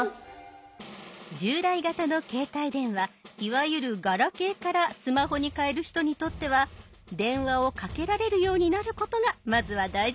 従来型の携帯電話いわゆるガラケーからスマホに替える人にとっては電話をかけられるようになることがまずは大事ですよね。